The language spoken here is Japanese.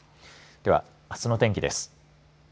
では、あすの天気です。